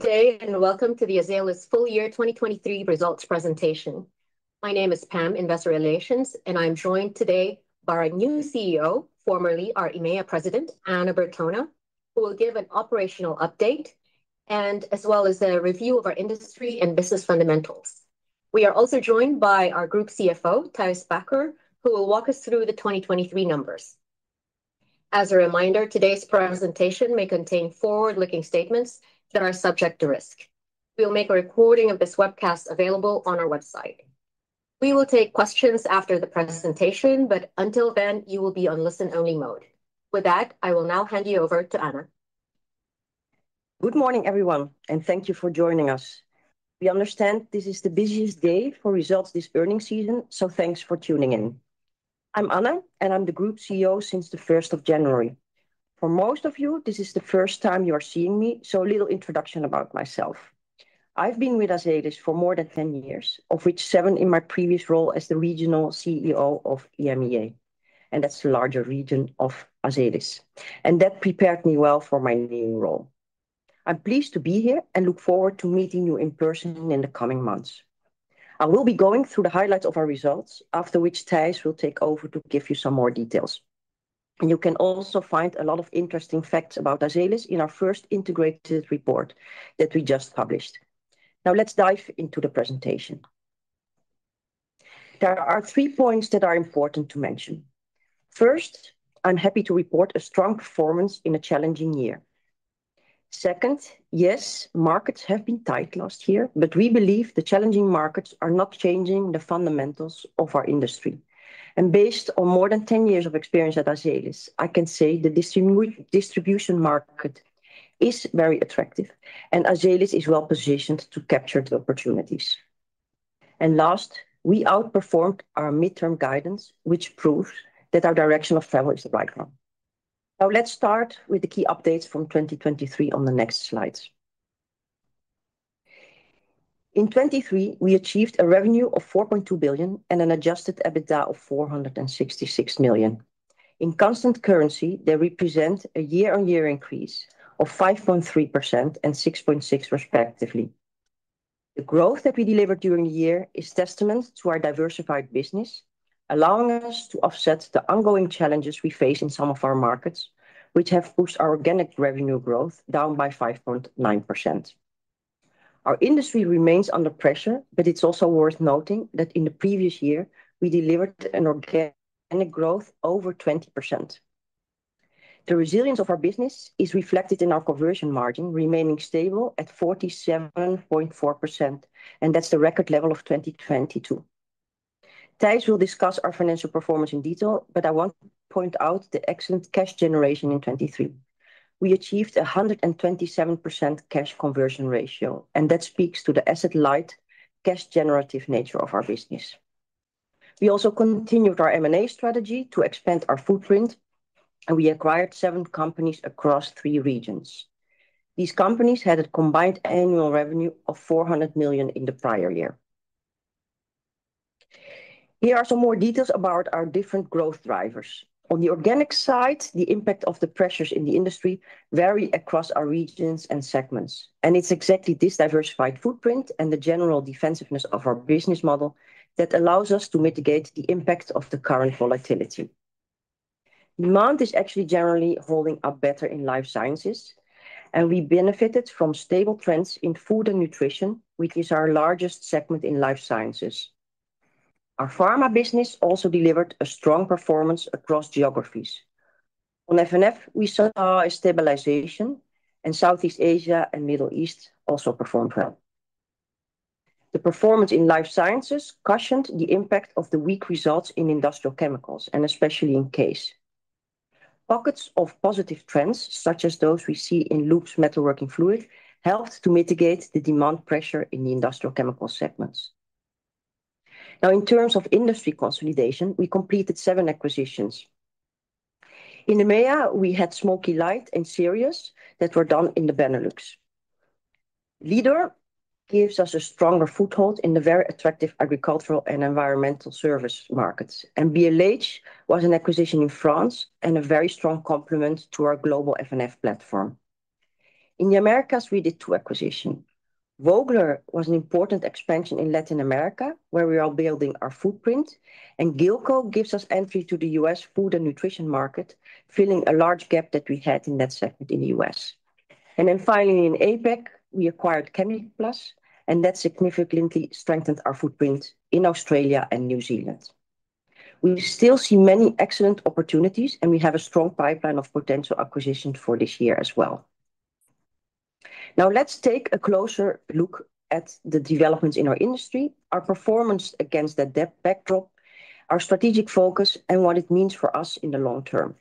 Good day and welcome to the Azelis full year 2023 results presentation. My name is Pam in Investor Relations, and I'm joined today by our new CEO, formerly our EMEA President, Anna Bertona, who will give an operational update and as well as a review of our industry and business fundamentals. We are also joined by our Group CFO, Thijs Bakker, who will walk us through the 2023 numbers. As a reminder, today's presentation may contain forward-looking statements that are subject to risk. We will make a recording of this webcast available on our website. We will take questions after the presentation, but until then you will be on listen-only mode. With that, I will now hand you over to Anna. Good morning, everyone, and thank you for joining us. We understand this is the busiest day for results this earnings season, so thanks for tuning in. I'm Anna, and I'm the Group CEO since the 1st of January. For most of you, this is the first time you are seeing me, so a little introduction about myself. I've been with Azelis for more than 10 years, of which seven in my previous role as the Regional CEO of EMEA, and that's the larger region of Azelis, and that prepared me well for my new role. I'm pleased to be here and look forward to meeting you in person in the coming months. I will be going through the highlights of our results, after which Thijs will take over to give you some more details. You can also find a lot of interesting facts about Azelis in our first integrated report that we just published. Now let's dive into the presentation. There are three points that are important to mention. First, I'm happy to report a strong performance in a challenging year. Second, yes, markets have been tight last year, but we believe the challenging markets are not changing the fundamentals of our industry. Based on more than 10 years of experience at Azelis, I can say the distribution market is very attractive, and Azelis is well positioned to capture the opportunities. Last, we outperformed our midterm guidance, which proves that our direction of travel is the right one. Now let's start with the key updates from 2023 on the next slides. In 2023, we achieved a revenue of 4.2 billion and an Adjusted EBITDA of 466 million. In constant currency, they represent a year-on-year increase of 5.3% and 6.6% respectively. The growth that we delivered during the year is testament to our diversified business, allowing us to offset the ongoing challenges we face in some of our markets, which have pushed our organic revenue growth down by 5.9%. Our industry remains under pressure, but it's also worth noting that in the previous year we delivered an organic growth over 20%. The resilience of our business is reflected in our conversion margin, remaining stable at 47.4%, and that's the record level of 2022. Thijs will discuss our financial performance in detail, but I want to point out the excellent cash generation in 2023. We achieved a 127% cash conversion ratio, and that speaks to the asset-light, cash-generative nature of our business. We also continued our M&A strategy to expand our footprint, and we acquired 7 companies across 3 regions. These companies had a combined annual revenue of 400 million in the prior year. Here are some more details about our different growth drivers. On the organic side, the impact of the pressures in the industry varies across our regions and segments, and it's exactly this diversified footprint and the general defensiveness of our business model that allows us to mitigate the impact of the current volatility. Demand is actually generally holding up better in life sciences, and we benefited from stable trends in food and nutrition, which is our largest segment in life sciences. Our pharma business also delivered a strong performance across geographies. On F&F, we saw a stabilization, and Southeast Asia and Middle East also performed well. The performance in Life Sciences cushioned the impact of the weak results in Industrial Chemicals, and especially in CASE. Pockets of positive trends, such as those we see in Lubes & Metalworking Fluids, helped to mitigate the demand pressure in the industrial chemical segments. Now, in terms of industry consolidation, we completed seven acquisitions. In EMEA, we had Smokylight and Sirius that were done in the Benelux. Lidorr gives us a stronger foothold in the very attractive agricultural and environmental service markets, and BLH was an acquisition in France and a very strong complement to our global F&F platform. In the Americas, we did two acquisitions. Vogler was an important expansion in Latin America, where we are building our footprint, and Gillco gives us entry to the U.S. food and nutrition market, filling a large gap that we had in that segment in the U.S. Then finally, in APAC, we acquired Chemiplas, and that significantly strengthened our footprint in Australia and New Zealand. We still see many excellent opportunities, and we have a strong pipeline of potential acquisitions for this year as well. Now let's take a closer look at the developments in our industry, our performance against that backdrop, our strategic focus, and what it means for us in the long term.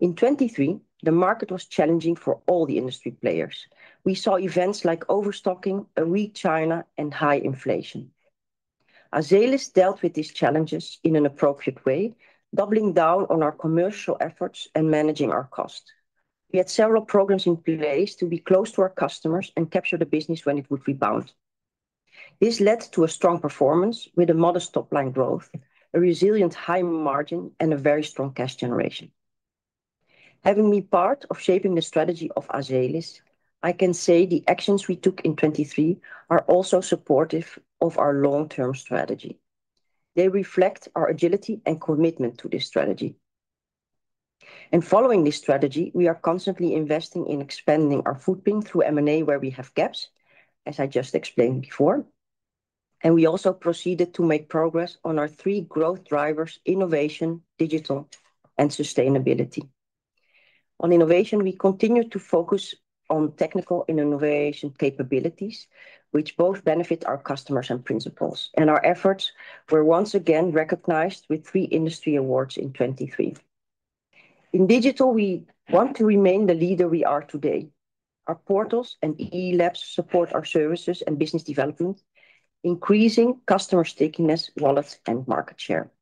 In 2023, the market was challenging for all the industry players. We saw events like overstocking, a weak China, and high inflation. Azelis dealt with these challenges in an appropriate way, doubling down on our commercial efforts and managing our costs. We had several programs in place to be close to our customers and capture the business when it would rebound. This led to a strong performance with a modest top-line growth, a resilient high margin, and a very strong cash generation. Having been part of shaping the strategy of Azelis, I can say the actions we took in 2023 are also supportive of our long-term strategy. They reflect our agility and commitment to this strategy. Following this strategy, we are constantly investing in expanding our footprint through M&A where we have gaps, as I just explained before, and we also proceeded to make progress on our three growth drivers: innovation, digital, and sustainability. On innovation, we continue to focus on technical innovation capabilities, which both benefit our customers and principals, and our efforts were once again recognized with three industry awards in 2023. In digital, we want to remain the leader we are today. Our portals and e-Labs support our services and business development, increasing customer stickiness, wallets, and market share.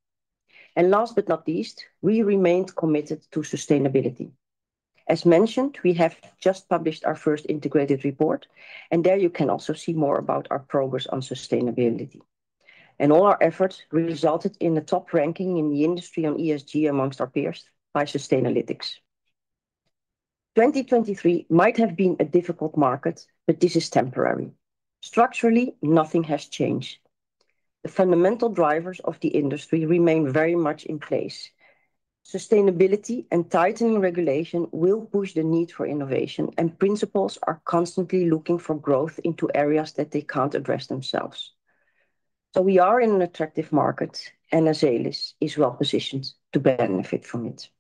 Last but not least, we remained committed to sustainability. As mentioned, we have just published our first integrated report, and there you can also see more about our progress on sustainability. All our efforts resulted in a top ranking in the industry on ESG amongst our peers by Sustainalytics. 2023 might have been a difficult market, but this is temporary. Structurally, nothing has changed. The fundamental drivers of the industry remain very much in place. Sustainability and tightening regulation will push the need for innovation, and principals are constantly looking for growth into areas that they can't address themselves. So we are in an attractive market, and Azelis is well positioned to benefit from it.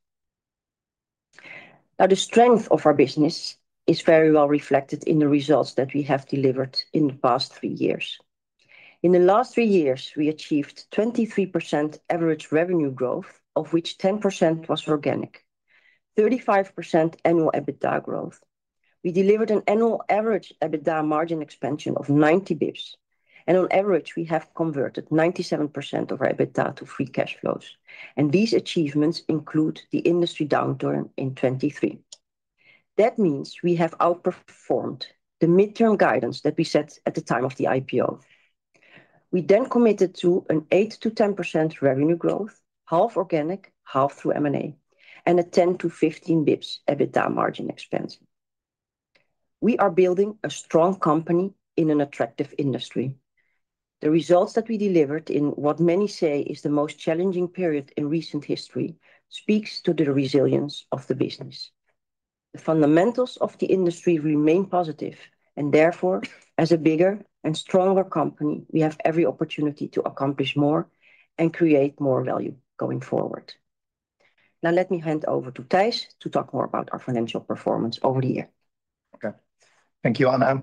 Now the strength of our business is very well reflected in the results that we have delivered in the past three years. In the last three years, we achieved 23% average revenue growth, of which 10% was organic, 35% annual EBITDA growth. We delivered an annual average EBITDA margin expansion of 90 basis points, and on average, we have converted 97% of our EBITDA to free cash flows, and these achievements include the industry downturn in 2023. That means we have outperformed the midterm guidance that we set at the time of the IPO. We then committed to an 8%-10% revenue growth, half organic, half through M&A, and a 10%-15% basis points EBITDA margin expansion. We are building a strong company in an attractive industry. The results that we delivered in what many say is the most challenging period in recent history speak to the resilience of the business. The fundamentals of the industry remain positive, and therefore, as a bigger and stronger company, we have every opportunity to accomplish more and create more value going forward. Now let me hand over to Thijs to talk more about our financial performance over the year. Okay, thank you, Anna.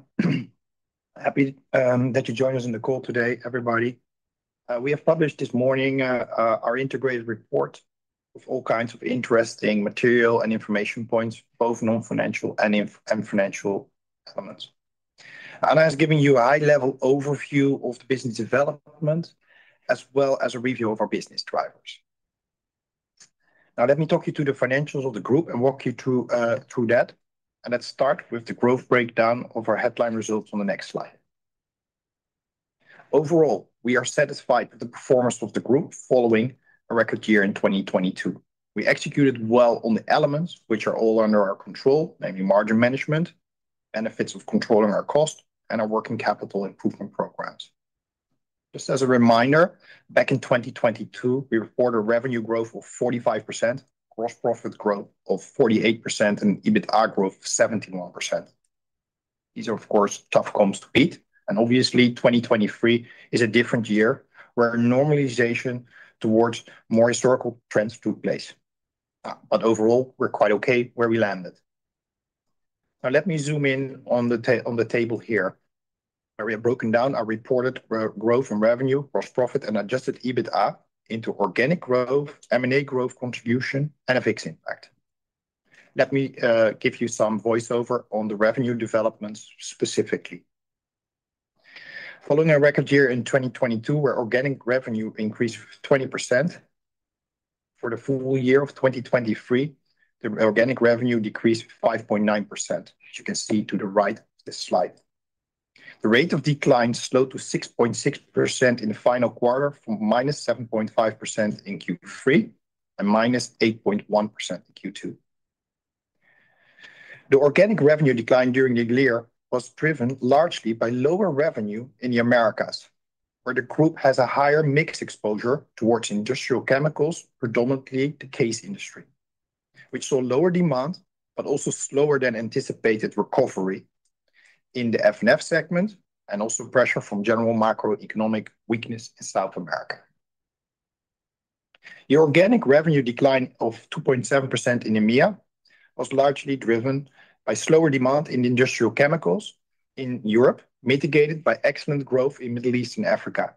Happy that you joined us in the call today, everybody. We have published this morning our integrated report with all kinds of interesting material and information points, both non-financial and financial elements. Anna has given you a high-level overview of the business development as well as a review of our business drivers. Now let me talk you through the financials of the group and walk you through that, and let's start with the growth breakdown of our headline results on the next slide. Overall, we are satisfied with the performance of the group following a record year in 2022. We executed well on the elements which are all under our control, namely margin management, benefits of controlling our cost, and our working capital improvement programs. Just as a reminder, back in 2022, we reported revenue growth of 45%, gross profit growth of 48%, and EBITDA growth of 71%. These are, of course, tough comps to beat, and obviously, 2023 is a different year where normalization towards more historical trends took place. But overall, we're quite okay where we landed. Now let me zoom in on the table here, where we have broken down our reported growth and revenue, gross profit, and adjusted EBITDA into organic growth, M&A growth contribution, and an FX impact. Let me give you some voiceover on the revenue developments specifically. Following a record year in 2022, where organic revenue increased 20%, for the full year of 2023, the organic revenue decreased 5.9%, as you can see to the right of this slide. The rate of decline slowed to 6.6% in the final quarter from -7.5% in Q3 and -8.1% in Q2. The organic revenue decline during the year was driven largely by lower revenue in the Americas, where the group has a higher mixed exposure towards industrial chemicals, predominantly the CASE industry, which saw lower demand but also slower-than-anticipated recovery in the F&F segment and also pressure from general macroeconomic weakness in South America. The organic revenue decline of 2.7% in EMEA was largely driven by slower demand in industrial chemicals in Europe, mitigated by excellent growth in the Middle East and Africa.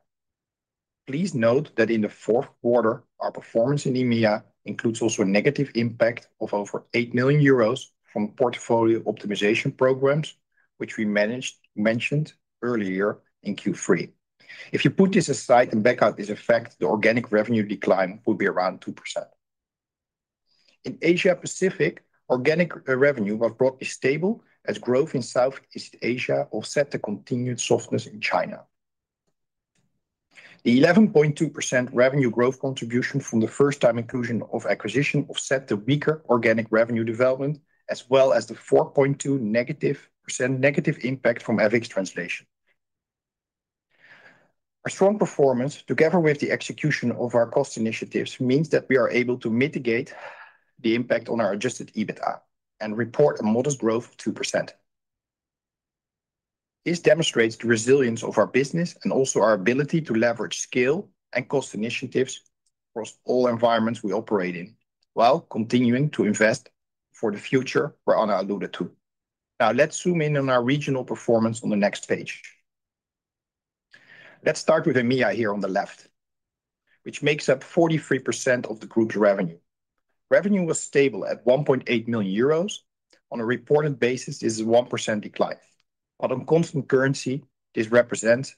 Please note that in the fourth quarter, our performance in EMEA includes also a negative impact of over 8 million euros from portfolio optimization programs, which we mentioned earlier in Q3. If you put this aside and back out this effect, the organic revenue decline would be around 2%. In Asia Pacific, organic revenue was broadly stable as growth in Southeast Asia offset the continued softness in China. The 11.2% revenue growth contribution from the first-time inclusion of acquisition offset the weaker organic revenue development as well as the 4.2% negative impact from FX translation. Our strong performance, together with the execution of our cost initiatives, means that we are able to mitigate the impact on our Adjusted EBITDA and report a modest growth of 2%. This demonstrates the resilience of our business and also our ability to leverage scale and cost initiatives across all environments we operate in while continuing to invest for the future we're alluded to. Now let's zoom in on our regional performance on the next page. Let's start with EMEA here on the left, which makes up 43% of the group's revenue. Revenue was stable at 1.8 billion euros. On a reported basis, this is a 1% decline, but on constant currency, this represents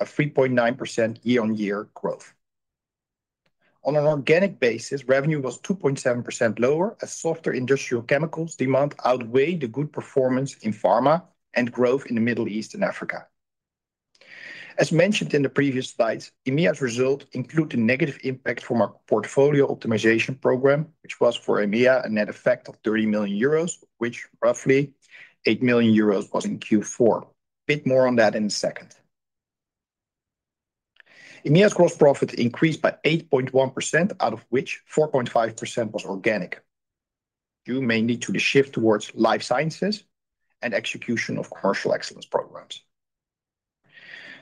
a 3.9% year-on-year growth. On an organic basis, revenue was 2.7% lower as softer industrial chemicals demand outweighed the good performance in pharma and growth in the Middle East and Africa. As mentioned in the previous slides, EMEA's result included a negative impact from our portfolio optimization program, which was for EMEA a net effect of 30 million euros, which roughly 8 million euros was in Q4. A bit more on that in a second. EMEA's gross profit increased by 8.1%, out of which 4.5% was organic, due mainly to the shift towards life sciences and execution of commercial excellence programs.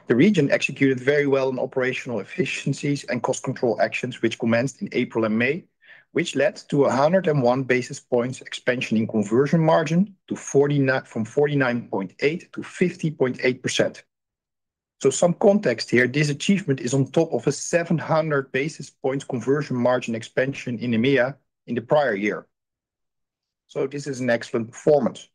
The region executed very well on operational efficiencies and cost control actions, which commenced in April and May, which led to a 101 basis points expansion in conversion margin from 49.8% to 50.8%. So some context here, this achievement is on top of a 700 basis points conversion margin expansion in EMEA in the prior year. So this is an excellent performance.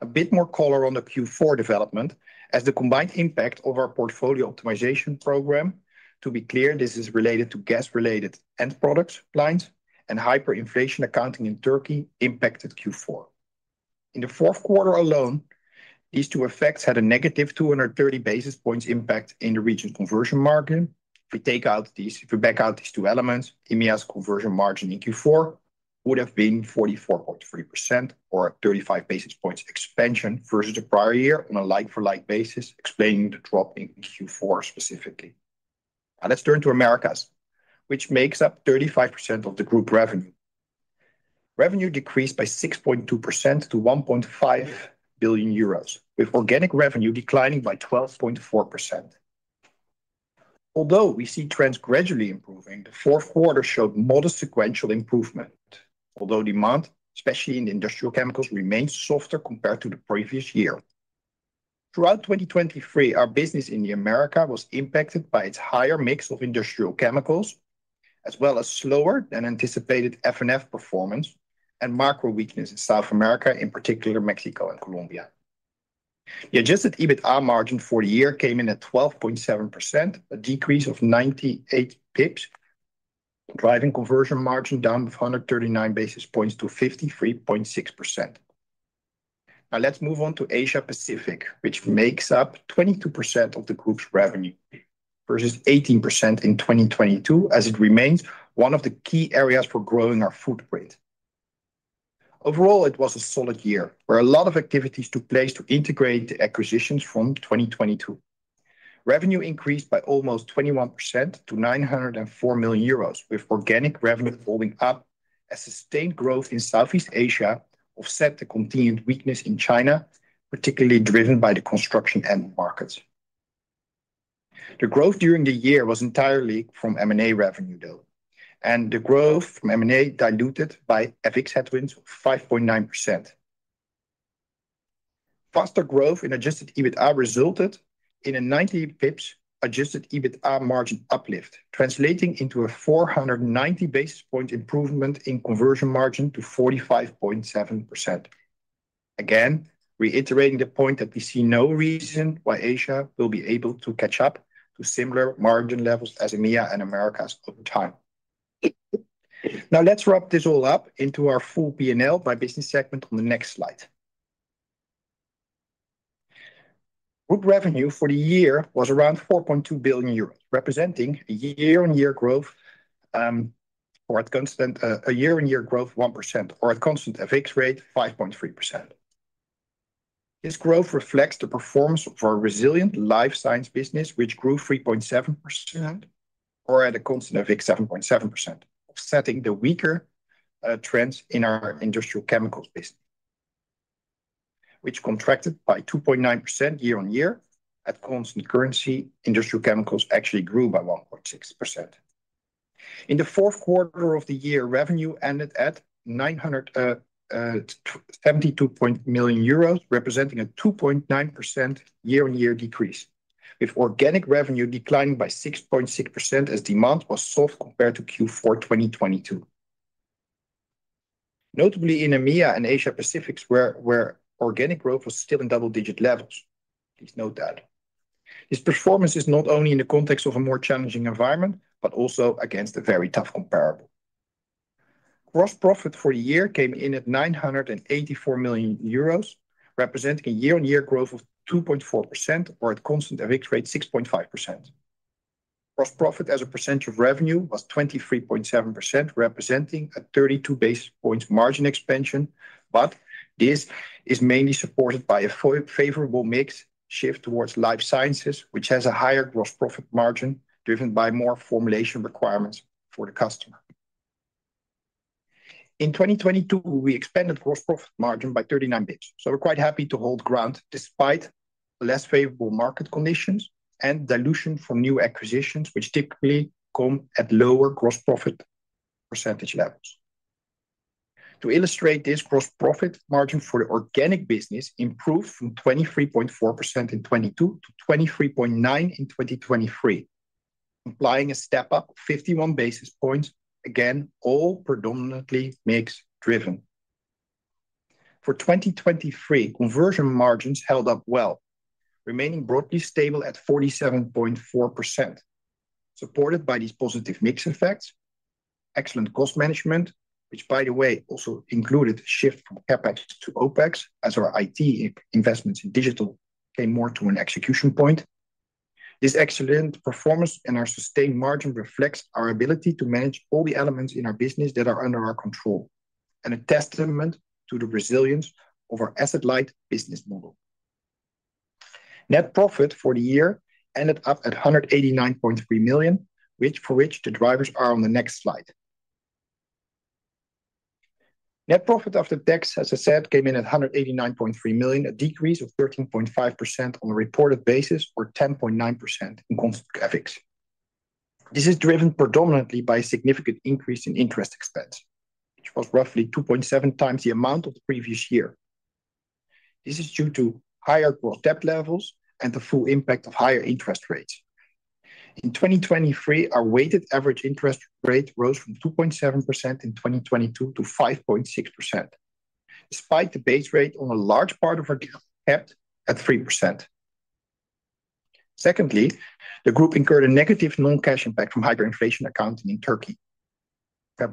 A bit more color on the Q4 development as the combined impact of our portfolio optimization program. To be clear, this is related to gas-related end product lines and hyperinflation accounting in Turkey impacted Q4. In the fourth quarter alone, these two effects had a negative 230 basis points impact in the region conversion margin. If we take out these, if we back out these two elements, EMEA's conversion margin in Q4 would have been 44.3% or 35 basis points expansion versus the prior year on a like-for-like basis, explaining the drop in Q4 specifically. Now let's turn to Americas, which makes up 35% of the group revenue. Revenue decreased by 6.2% to 1.5 billion euros, with organic revenue declining by 12.4%. Although we see trends gradually improving, the fourth quarter showed modest sequential improvement, although demand, especially in industrial chemicals, remained softer compared to the previous year. Throughout 2023, our business in the Americas was impacted by its higher mix of industrial chemicals as well as slower-than-anticipated F&F performance and macro weakness in South America, in particular Mexico and Colombia. The adjusted EBITDA margin for the year came in at 12.7%, a decrease of 98 basis points, driving conversion margin down with 139 basis points to 53.6%. Now let's move on to Asia Pacific, which makes up 22% of the group's revenue versus 18% in 2022, as it remains one of the key areas for growing our footprint. Overall, it was a solid year where a lot of activities took place to integrate the acquisitions from 2022. Revenue increased by almost 21% to 904 million euros, with organic revenue holding up as sustained growth in Southeast Asia offset the continued weakness in China, particularly driven by the construction end markets. The growth during the year was entirely from M&A revenue, though, and the growth from M&A diluted by FX headwinds of 5.9%. Faster growth in Adjusted EBITDA resulted in a 90 basis points Adjusted EBITDA margin uplift, translating into a 490 basis point improvement in conversion margin to 45.7%. Again, reiterating the point that we see no reason why Asia will be able to catch up to similar margin levels as EMEA and Americas over time. Now let's wrap this all up into our full P&L by business segment on the next slide. Group revenue for the year was around 4.2 billion euros, representing a year-on-year growth or a year-on-year growth of 1% or a constant FX rate of 5.3%. This growth reflects the performance of our resilient life science business, which grew 3.7% or had a constant FX of 7.7%, offsetting the weaker trends in our industrial chemicals business, which contracted by 2.9% year-on-year. At constant currency, industrial chemicals actually grew by 1.6%. In the fourth quarter of the year, revenue ended at 72 million euros, representing a 2.9% year-on-year decrease, with organic revenue declining by 6.6% as demand was soft compared to Q4 2022. Notably, in EMEA and Asia Pacific, where organic growth was still in double-digit levels, please note that. This performance is not only in the context of a more challenging environment but also against a very tough comparable. Gross profit for the year came in at 984 million euros, representing a year-on-year growth of 2.4% or a constant FX rate of 6.5%. Gross profit as a percentage of revenue was 23.7%, representing a 32 basis points margin expansion, but this is mainly supported by a favorable mix shift towards life sciences, which has a higher gross profit margin driven by more formulation requirements for the customer. In 2022, we expanded gross profit margin by 39 basis points, so we're quite happy to hold ground despite less favorable market conditions and dilution from new acquisitions, which typically come at lower gross profit percentage levels. To illustrate this, gross profit margin for the organic business improved from 23.4% in 2022 to 23.9% in 2023, implying a step up of 51 basis points. Again, all predominantly mix-driven. For 2023, conversion margins held up well, remaining broadly stable at 47.4%, supported by these positive mix effects, excellent cost management, which, by the way, also included a shift from CapEx to OpEx as our IT investments in digital came more to an execution point. This excellent performance and our sustained margin reflects our ability to manage all the elements in our business that are under our control and a testament to the resilience of our asset-light business model. Net profit for the year ended up at 189.3 million, for which the drivers are on the next slide. Net profit after tax, as I said, came in at 189.3 million, a decrease of 13.5% on a reported basis or 10.9% in constant FX. This is driven predominantly by a significant increase in interest expense, which was roughly 2.7x the amount of the previous year. This is due to higher gross debt levels and the full impact of higher interest rates. In 2023, our weighted average interest rate rose from 2.7% in 2022 to 5.6%, despite the base rate on a large part of our debt at 3%. Secondly, the group incurred a negative non-cash impact from hyperinflation accounting in Turkey.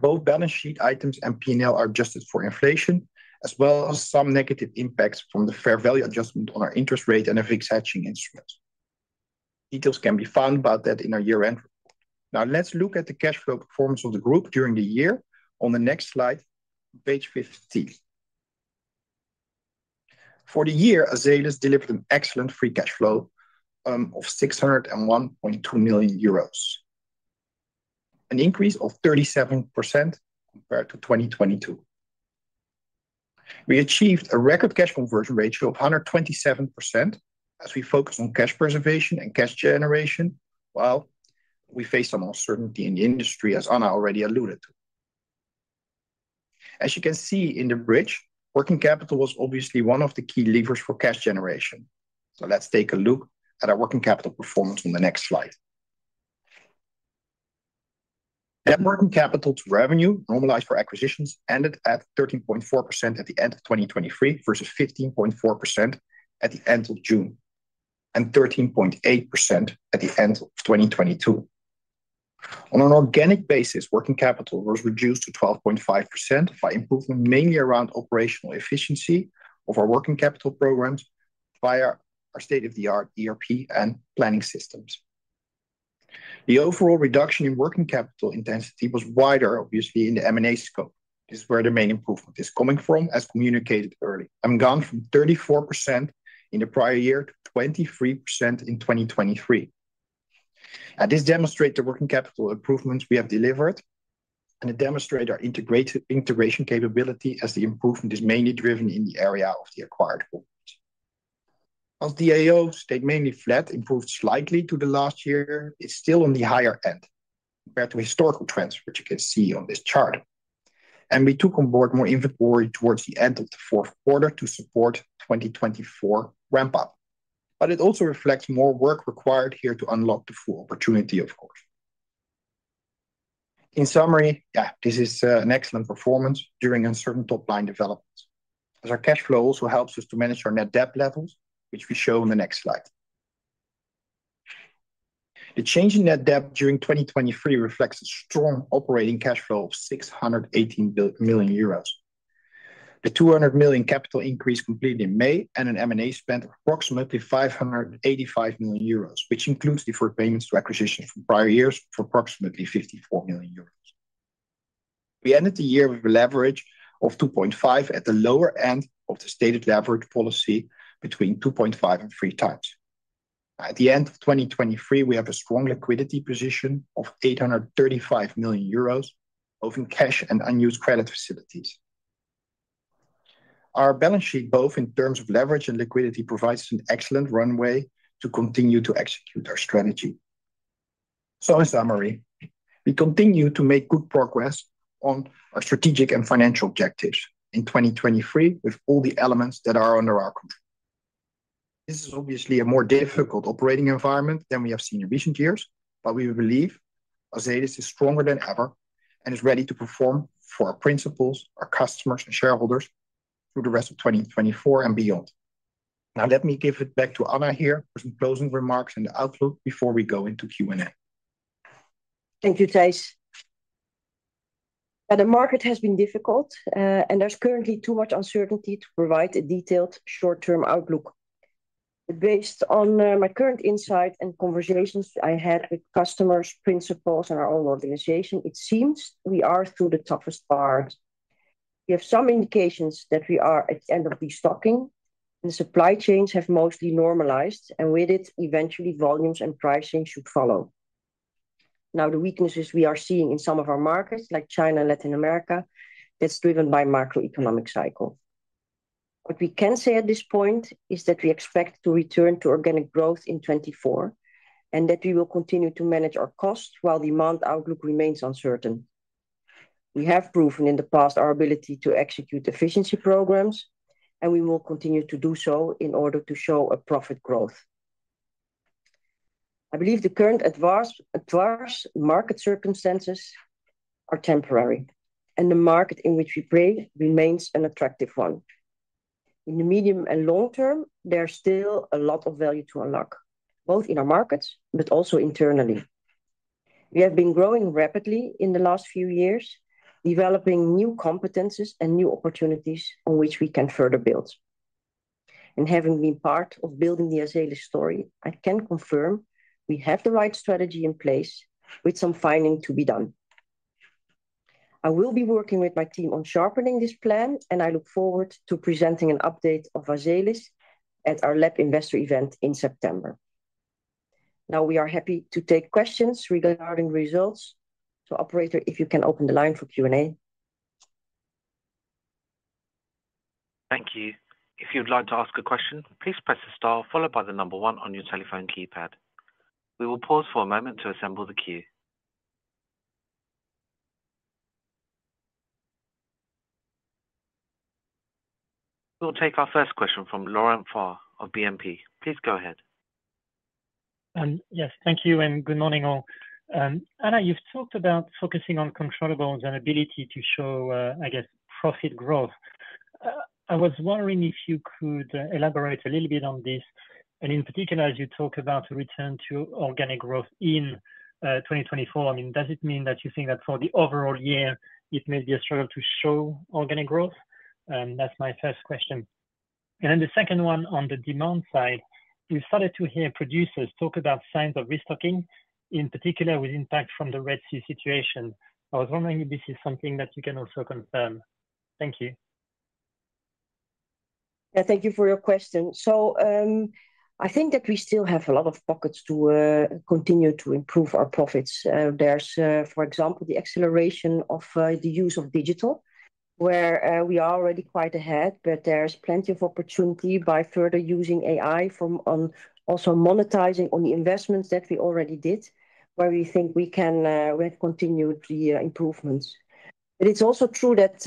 Both balance sheet items and P&L are adjusted for inflation, as well as some negative impacts from the fair value adjustment on our interest rate and FX hedging instruments. Details can be found about that in our year-end report. Now let's look at the cash flow performance of the group during the year on the next slide, page 15. For the year, Azelis delivered an excellent free cash flow of 601.2 million euros, an increase of 37% compared to 2022. We achieved a record cash conversion ratio of 127% as we focused on cash preservation and cash generation, while we faced some uncertainty in the industry, as Anna already alluded to. As you can see in the bridge, working capital was obviously one of the key levers for cash generation. Let's take a look at our working capital performance on the next slide. Net working capital to revenue normalized for acquisitions ended at 13.4% at the end of 2023 versus 15.4% at the end of June and 13.8% at the end of 2022. On an organic basis, working capital was reduced to 12.5% by improvement mainly around operational efficiency of our working capital programs via our state-of-the-art ERP and planning systems. The overall reduction in working capital intensity was wider, obviously, in the M&A scope. This is where the main improvement is coming from, as communicated early. I'm gone from 34% in the prior year to 23% in 2023. This demonstrates the working capital improvements we have delivered and it demonstrates our integration capability as the improvement is mainly driven in the area of the acquired corporates. While DIO stayed mainly flat, improved slightly to the last year, it's still on the higher end compared to historical trends, which you can see on this chart. We took on board more inventory towards the end of the fourth quarter to support 2024 ramp-up, but it also reflects more work required here to unlock the full opportunity, of course. In summary, yeah, this is an excellent performance during uncertain top-line developments, as our cash flow also helps us to manage our net debt levels, which we show on the next slide. The change in net debt during 2023 reflects a strong operating cash flow of 618 million euros, the 200 million capital increase completed in May, and an M&A spend of approximately 585 million euros, which includes deferred payments to acquisitions from prior years for approximately 54 million euros. We ended the year with a leverage of 2.5x at the lower end of the stated leverage policy between 2.5x-3x. At the end of 2023, we have a strong liquidity position of 835 million euros including cash and unused credit facilities. Our balance sheet, both in terms of leverage and liquidity, provides an excellent runway to continue to execute our strategy. So in summary, we continue to make good progress on our strategic and financial objectives in 2023 with all the elements that are under our control. This is obviously a more difficult operating environment than we have seen in recent years, but we believe Azelis is stronger than ever and is ready to perform for our principals, our customers, and shareholders through the rest of 2024 and beyond. Now let me give it back to Anna here for some closing remarks and the outlook before we go into Q&A. Thank you, Thijs. The market has been difficult, and there's currently too much uncertainty to provide a detailed short-term outlook. Based on my current insight and conversations I had with customers, principals, and our own organization, it seems we are through the toughest part. We have some indications that we are at the end of the stocking, and the supply chains have mostly normalized, and with it, eventually volumes and pricing should follow. Now, the weaknesses we are seeing in some of our markets, like China and Latin America, that's driven by a macroeconomic cycle. What we can say at this point is that we expect to return to organic growth in 2024 and that we will continue to manage our costs while demand outlook remains uncertain. We have proven in the past our ability to execute efficiency programs, and we will continue to do so in order to show a profit growth. I believe the current adverse market circumstances are temporary, and the market in which we play remains an attractive one. In the medium and long term, there's still a lot of value to unlock, both in our markets but also internally. We have been growing rapidly in the last few years, developing new competencies and new opportunities on which we can further build. Having been part of building the Azelis story, I can confirm we have the right strategy in place with some findings to be done. I will be working with my team on sharpening this plan, and I look forward to presenting an update of Azelis at our lab investor event in September. Now, we are happy to take questions regarding results. Operator, if you can open the line for Q&A. Thank you. If you'd like to ask a question, please press the star followed by the number one on your telephone keypad. We will pause for a moment to assemble the queue. We'll take our first question from Laurent Favre of BNP Paribas. Please go ahead. Yes, thank you and good morning all. Anna, you've talked about focusing on controllable and ability to show, I guess, profit growth. I was wondering if you could elaborate a little bit on this. And in particular, as you talk about a return to organic growth in 2024, I mean, does it mean that you think that for the overall year, it may be a struggle to show organic growth? That's my first question. And then the second one on the demand side, we've started to hear producers talk about signs of restocking, in particular with impact from the Red Sea situation. I was wondering if this is something that you can also confirm. Thank you. Yeah, thank you for your question. So I think that we still have a lot of pockets to continue to improve our profits. There's, for example, the acceleration of the use of digital, where we are already quite ahead, but there's plenty of opportunity by further using AI on also monetizing on the investments that we already did, where we think we can continue the improvements. But it's also true that,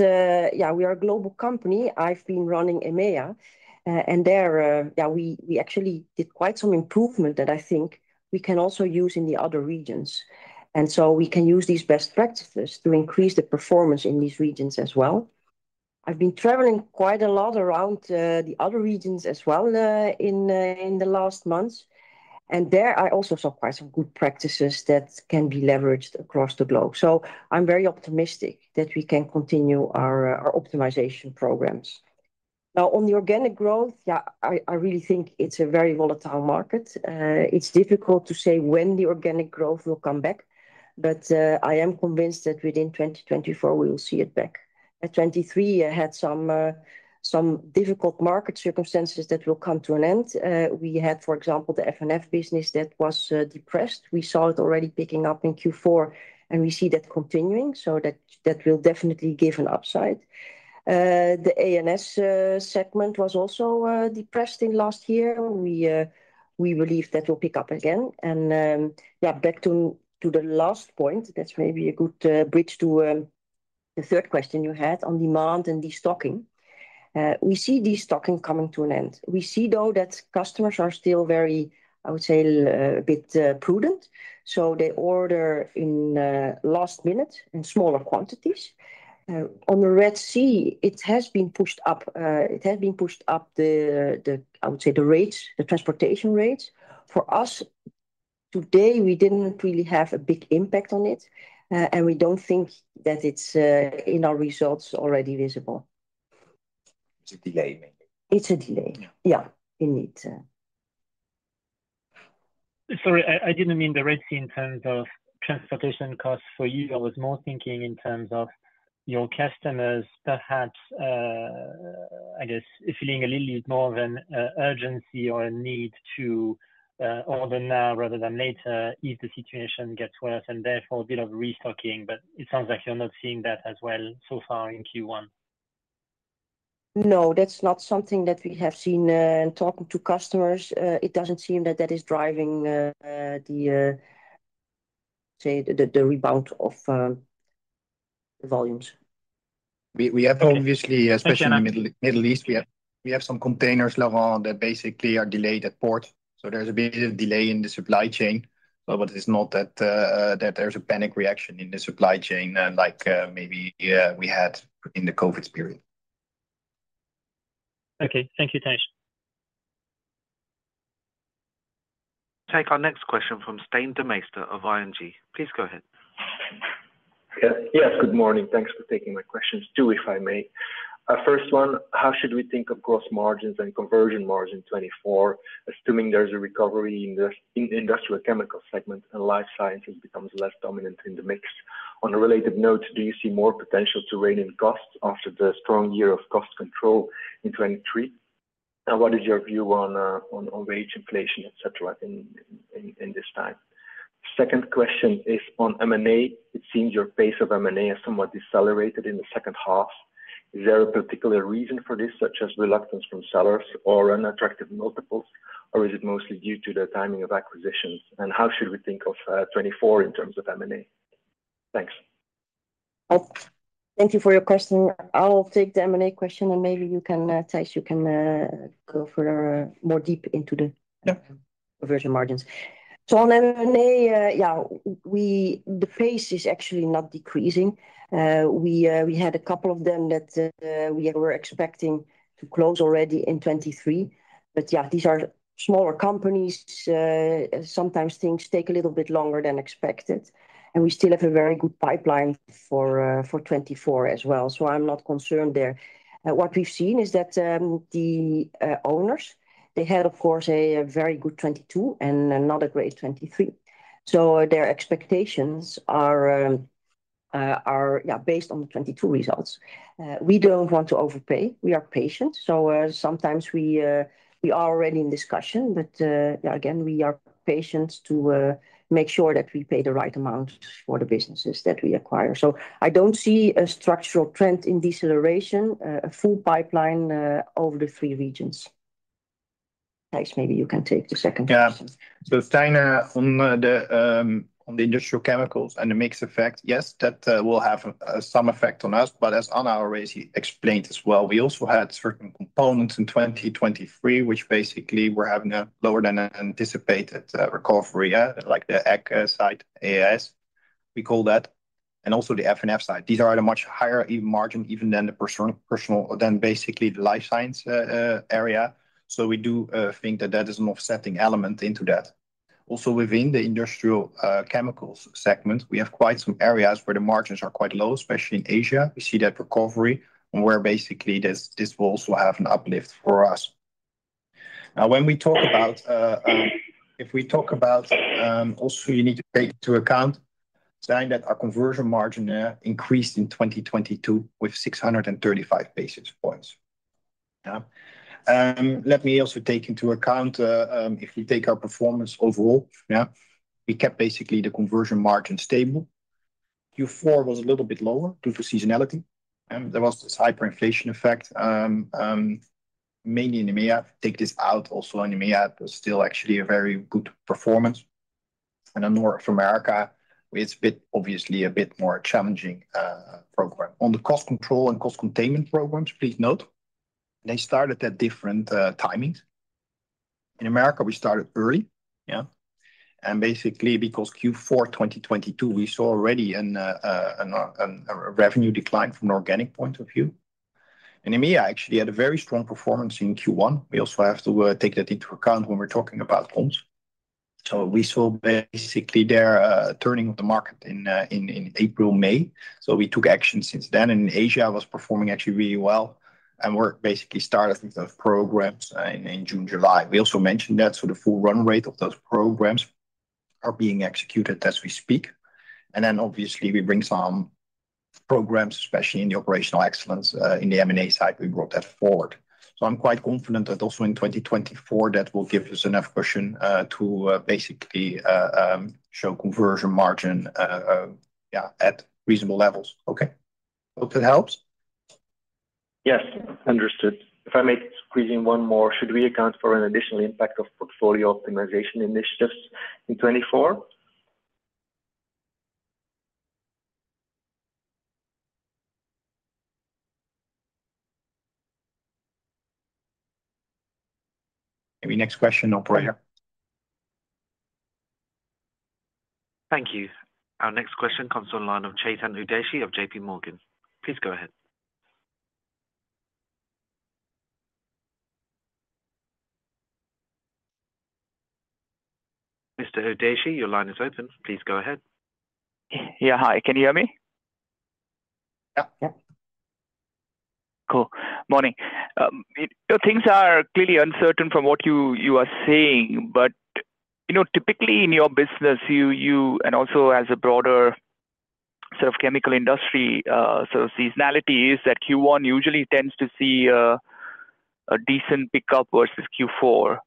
yeah, we are a global company. I've been running EMEA, and there, yeah, we actually did quite some improvement that I think we can also use in the other regions. And so we can use these best practices to increase the performance in these regions as well. I've been traveling quite a lot around the other regions as well in the last months, and there I also saw quite some good practices that can be leveraged across the globe. So I'm very optimistic that we can continue our optimization programs. Now, on the organic growth, yeah, I really think it's a very volatile market. It's difficult to say when the organic growth will come back, but I am convinced that within 2024, we will see it back. At 2023, I had some difficult market circumstances that will come to an end. We had, for example, the F&F business that was depressed. We saw it already picking up in Q4, and we see that continuing, so that will definitely give an upside. The A&S segment was also depressed in last year. We believe that will pick up again. And yeah, back to the last point, that's maybe a good bridge to the third question you had on demand and destocking. We see destocking coming to an end. We see, though, that customers are still very, I would say, a bit prudent, so they order in last-minute in smaller quantities. On the Red Sea, it has been pushed up. It has been pushed up the, I would say, the rates, the transportation rates. For us today, we didn't really have a big impact on it, and we don't think that it's in our results already visible. Is it delay maybe? It's a delay. Yeah, indeed. Sorry, I didn't mean the Red Sea in terms of transportation costs for you. I was more thinking in terms of your customers, perhaps, I guess, feeling a little bit more of an urgency or a need to order now rather than later if the situation gets worse and therefore a bit of restocking. But it sounds like you're not seeing that as well so far in Q1. No, that's not something that we have seen in talking to customers. It doesn't seem that that is driving the rebound of volumes. We have obviously, especially in the Middle East, we have some containers that basically are delayed at port. So there's a bit of delay in the supply chain. But it's not that there's a panic reaction in the supply chain like maybe we had in the COVID period. Okay, thank you, Thijs. Take our next question from Stijn Demeester of ING. Please go ahead. Yes, good morning. Thanks for taking my questions too, if I may. First one, how should we think of gross margins and conversion margin 2024, assuming there's a recovery in the industrial chemical segment and life sciences becomes less dominant in the mix? On a related note, do you see more potential to rein in costs after the strong year of cost control in 2023? And what is your view on wage inflation, etc., in this time? Second question is on M&A. It seems your pace of M&A is somewhat decelerated in the second half. Is there a particular reason for this, such as reluctance from sellers or unattractive multiples, or is it mostly due to the timing of acquisitions? And how should we think of 2024 in terms of M&A? Thanks. Thank you for your question. I'll take the M&A question, and maybe you can, Thijs, you can go further more deep into the conversion margins. So on M&A, yeah, the pace is actually not decreasing. We had a couple of them that we were expecting to close already in 2023. But yeah, these are smaller companies. Sometimes things take a little bit longer than expected, and we still have a very good pipeline for 2024 as well. So I'm not concerned there. What we've seen is that the owners, they had, of course, a very good 2022 and not a great 2023. So their expectations are, yeah, based on the 2022 results. We don't want to overpay. We are patient. So sometimes we are already in discussion, but yeah, again, we are patient to make sure that we pay the right amount for the businesses that we acquire. I don't see a structural trend in deceleration, a full pipeline over the three regions. Thijs, maybe you can take the second question. Yeah. So Stijn, on the industrial chemicals and the mix effect, yes, that will have some effect on us. But as Anna already explained as well, we also had certain components in 2023, which basically were having a lower than anticipated recovery, like the Ag side, A&ES, we call that, and also the F&F side. These are at a much higher margin even than the personal, than basically the life sciences area. So we do think that that is an offsetting element into that. Also, within the industrial chemicals segment, we have quite some areas where the margins are quite low, especially in Asia. We see that recovery where basically this will also have an uplift for us. Now, when we talk about, if we talk about also, you need to take into account, Stijn, that our conversion margin increased in 2022 with 635 basis points. Let me also take into account, if we take our performance overall, yeah, we kept basically the conversion margin stable. Q4 was a little bit lower due to seasonality. There was this hyperinflation effect, mainly in EMEA. Take this out also on EMEA. It was still actually a very good performance. And then North America, it's obviously a bit more challenging program. On the cost control and cost containment programs, please note, they started at different timings. In America, we started early, yeah, and basically because Q4 2022, we saw already a revenue decline from an organic point of view. And EMEA actually had a very strong performance in Q1. We also have to take that into account when we're talking about POMs. So we saw basically their turning of the market in April, May. So we took action since then. And in Asia, it was performing actually really well and basically started with those programs in June, July. We also mentioned that. So the full run rate of those programs are being executed as we speak. And then obviously, we bring some programs, especially in the operational excellence in the M&A side, we brought that forward. So I'm quite confident that also in 2024, that will give us enough cushion to basically show conversion margin, yeah, at reasonable levels. Okay, hope that helps. Yes, understood. If I may squeeze in one more, should we account for an additional impact of portfolio optimization initiatives in 2024? Maybe next question, operator. Thank you. Our next question comes online of Chetan Udeshi of JPMorgan. Please go ahead. Mr. Udeshi, your line is open. Please go ahead. Yeah, hi. Can you hear me? Yeah. Cool. Morning. Things are clearly uncertain from what you are saying, but typically in your business, and also as a broader sort of chemical industry, sort of seasonality is that Q1 usually tends to see a decent pickup versus Q4,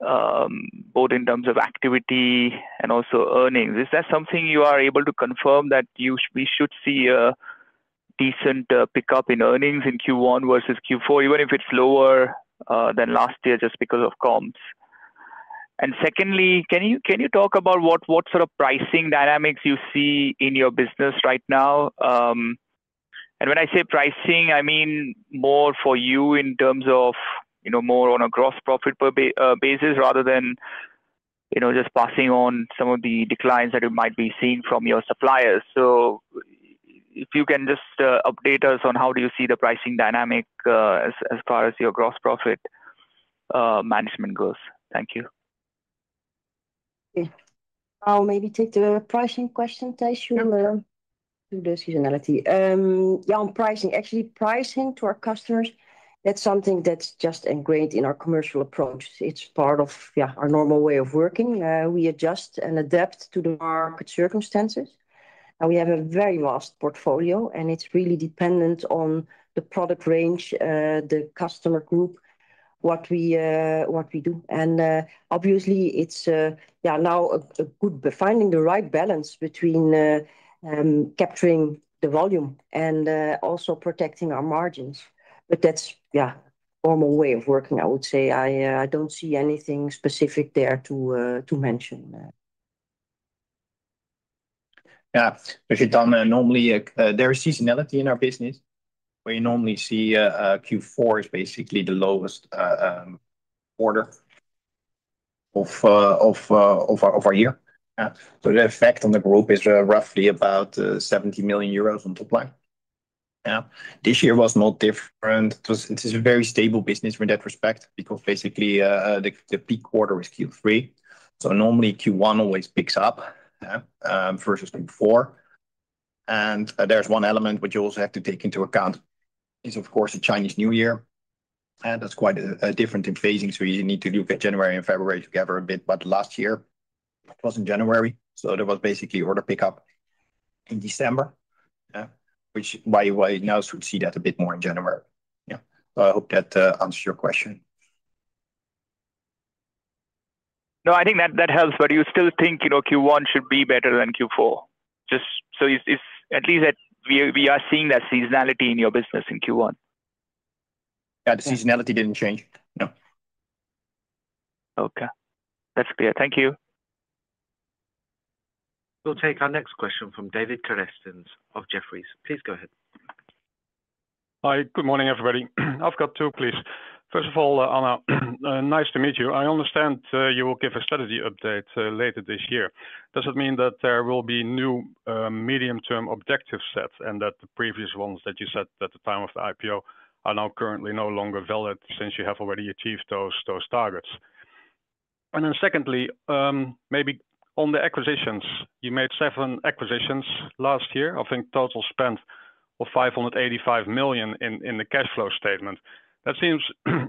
both in terms of activity and also earnings. Is that something you are able to confirm that we should see a decent pickup in earnings in Q1 versus Q4, even if it's lower than last year just because of POMs? And secondly, can you talk about what sort of pricing dynamics you see in your business right now? And when I say pricing, I mean more for you in terms of more on a gross profit basis rather than just passing on some of the declines that you might be seeing from your suppliers. So if you can just update us on how do you see the pricing dynamic as far as your gross profit management goes? Thank you. I'll maybe take the pricing question, Thijs, due to the seasonality. Yeah, on pricing, actually, pricing to our customers, that's something that's just ingrained in our commercial approach. It's part of, yeah, our normal way of working. We adjust and adapt to the market circumstances. And we have a very vast portfolio, and it's really dependent on the product range, the customer group, what we do. And obviously, it's, yeah, now finding the right balance between capturing the volume and also protecting our margins. But that's, yeah, a normal way of working, I would say. I don't see anything specific there to mention. Yeah. Because normally, there is seasonality in our business where you normally see Q4 is basically the lowest order of our year. So the effect on the group is roughly about 70 million euros on top line. Yeah, this year was not different. It's a very stable business in that respect because basically the peak order is Q3. So normally, Q1 always picks up versus Q4. And there's one element which you also have to take into account is, of course, the Chinese New Year. And that's quite different in phasing. So you need to look at January and February together a bit. But last year, it was in January. So there was basically order pickup in December, which is why we now should see that a bit more in January. Yeah, so I hope that answers your question. No, I think that helps. But you still think Q1 should be better than Q4? Just so at least we are seeing that seasonality in your business in Q1. Yeah, the seasonality didn't change. No. Okay, that's clear. Thank you. We'll take our next question from David Kerstens of Jefferies. Please go ahead. Hi. Good morning, everybody. I've got 2, please. First of all, Anna, nice to meet you. I understand you will give a strategy update later this year. Does it mean that there will be new medium-term objective sets and that the previous ones that you said at the time of the IPO are now currently no longer valid since you have already achieved those targets? And then secondly, maybe on the acquisitions, you made 7 acquisitions last year, I think total spent of 585 million in the cash flow statement. That seems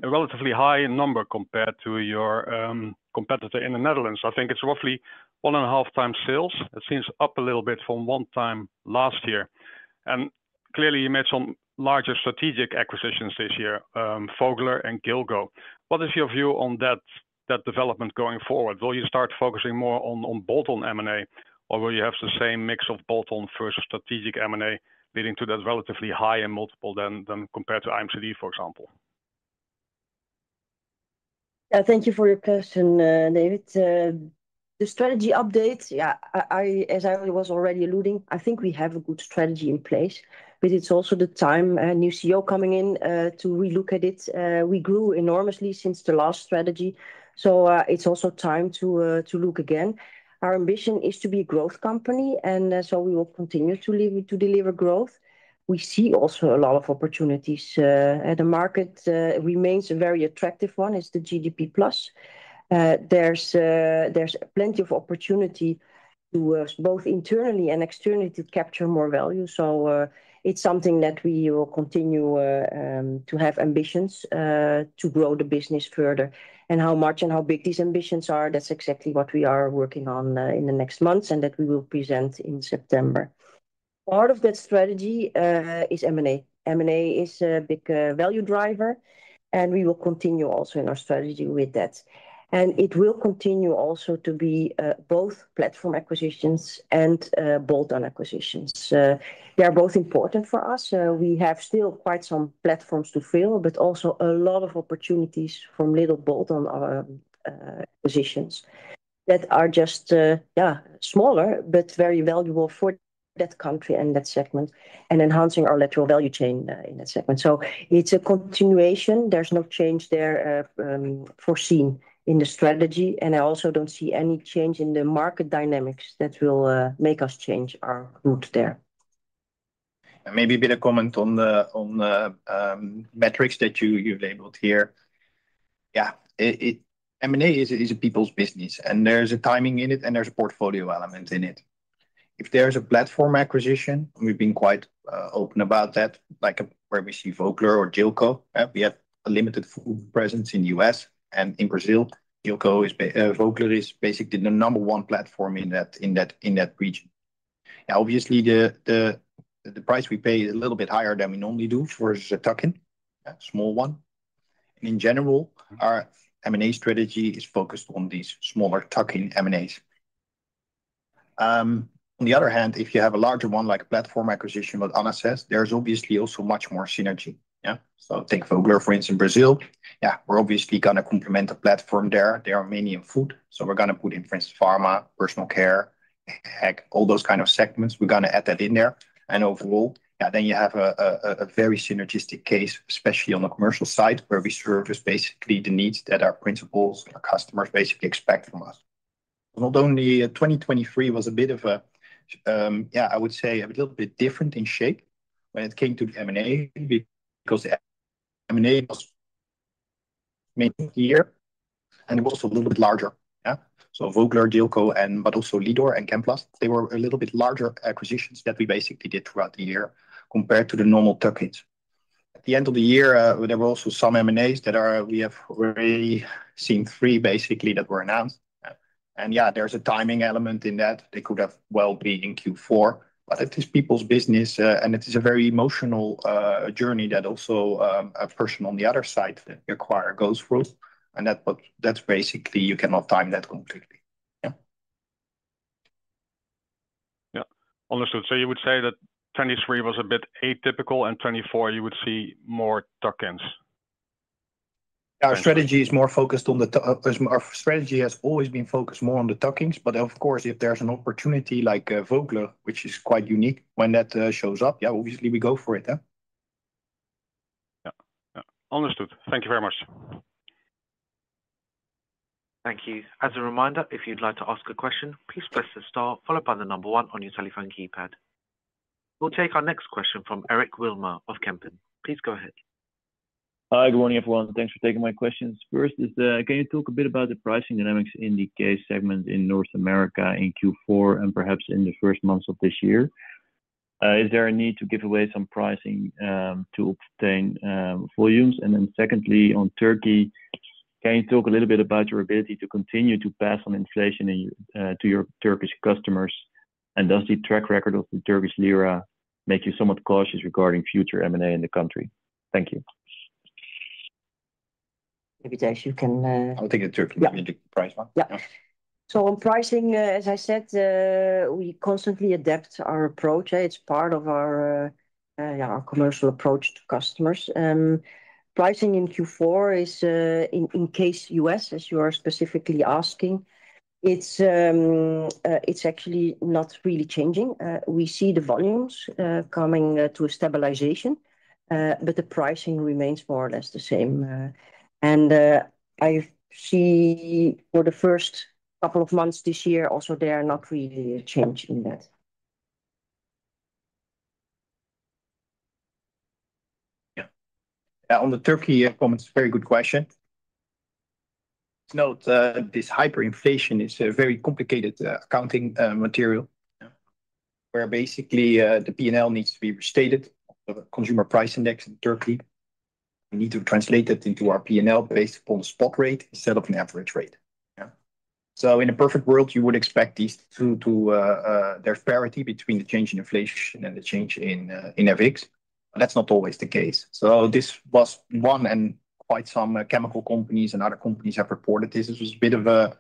a relatively high number compared to your competitor in the Netherlands. I think it's roughly 1.5x sales. It seems up a little bit from 1 time last year. And clearly, you made some larger strategic acquisitions this year, Vogler and Gilco. What is your view on that development going forward? Will you start focusing more on bolt-on M&A, or will you have the same mix of bolt-on versus strategic M&A leading to that relatively higher multiple than compared to IMCD, for example? Yeah, thank you for your question, David. The strategy update, yeah, as I was already alluding, I think we have a good strategy in place, but it's also the time new CEO coming in to relook at it. We grew enormously since the last strategy. So it's also time to look again. Our ambition is to be a growth company, and so we will continue to deliver growth. We see also a lot of opportunities. The market remains a very attractive one, is the GDP plus. There's plenty of opportunity to both internally and externally to capture more value. So it's something that we will continue to have ambitions to grow the business further. And how much and how big these ambitions are, that's exactly what we are working on in the next months and that we will present in September. Part of that strategy is M&A. M&A is a big value driver, and we will continue also in our strategy with that. It will continue also to be both platform acquisitions and bolt-on acquisitions. They are both important for us. We have still quite some platforms to fill, but also a lot of opportunities from little bolt-on acquisitions that are just, yeah, smaller but very valuable for that country and that segment and enhancing our lateral value chain in that segment. It's a continuation. There's no change there foreseen in the strategy. I also don't see any change in the market dynamics that will make us change our route there. And maybe a bit of comment on the metrics that you've labeled here. Yeah, M&A is a people's business, and there's a timing in it, and there's a portfolio element in it. If there's a platform acquisition, we've been quite open about that, like where we see Vogler or Gilco. We have a limited presence in the U.S. and in Brazil. Vogler is basically the number one platform in that region. Yeah, obviously, the price we pay is a little bit higher than we normally do versus a tuck-in, small one. And in general, our M&A strategy is focused on these smaller tuck-in M&As. On the other hand, if you have a larger one, like a platform acquisition, what Anna says, there's obviously also much more synergy. Yeah, so take Vogler, for instance, Brazil. Yeah, we're obviously going to complement the platform there. There are many in food. So we're going to put in, for instance, Pharma, personal care, Ag, all those kind of segments. We're going to add that in there. And overall, yeah, then you have a very synergistic case, especially on the commercial side where we service basically the needs that our principals and our customers basically expect from us. Not only 2023 was a bit of a, yeah, I would say a little bit different in shape when it came to the M&A because the M&A was mainly here, and it was also a little bit larger. Yeah, so Vogler, Gillco, and but also Lidorr and Chemiplas, they were a little bit larger acquisitions that we basically did throughout the year compared to the normal tuck-ins. At the end of the year, there were also some M&As that we have already seen 3, basically, that were announced. Yeah, there's a timing element in that. They could have well been in Q4, but it is people's business, and it is a very emotional journey that also a person on the other side that you acquire goes through. That's basically you cannot time that completely. Yeah. Yeah, understood. So you would say that 2023 was a bit atypical, and 2024, you would see more tuck-ins. Yeah, our strategy has always been focused more on the tuck-ins. But of course, if there's an opportunity like Vogler, which is quite unique, when that shows up, yeah, obviously, we go for it. Yeah, yeah, understood. Thank you very much. Thank you. As a reminder, if you'd like to ask a question, please press the star followed by the number one on your telephone keypad. We'll take our next question from Eric Wilmer of Kempen. Please go ahead. Hi, good morning, everyone. Thanks for taking my questions. First is, can you talk a bit about the pricing dynamics in the CASE segment in North America in Q4 and perhaps in the first months of this year? Is there a need to give away some pricing to obtain volumes? And then secondly, on Turkey, can you talk a little bit about your ability to continue to pass on inflation to your Turkish customers? And does the track record of the Turkish lira make you somewhat cautious regarding future M&A in the country? Thank you. Maybe, Thijs, you can. I'll take the price one. Yeah. So on pricing, as I said, we constantly adapt our approach. It's part of our commercial approach to customers. Pricing in Q4 is, in case U.S., as you are specifically asking, it's actually not really changing. We see the volumes coming to a stabilization, but the pricing remains more or less the same. And I see for the first couple of months this year, also there are not really a change in that. Yeah. Yeah, on the Turkey comments, very good question. To note, this hyperinflation is a very complicated accounting material where basically the P&L needs to be restated, the Consumer Price Index in Turkey. We need to translate that into our P&L based upon the spot rate instead of an average rate. Yeah, so in a perfect world, you would expect there's parity between the change in inflation and the change in FX. That's not always the case. So this was one, and quite some chemical companies and other companies have reported this. It was a bit of a